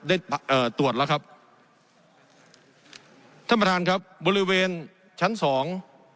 เอ่อตรวจแล้วครับท่านประธานครับบริเวณชั้นสอง